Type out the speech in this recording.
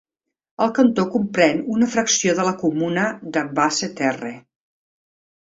El cantó comprèn una fracció de la comuna de Basse-Terre.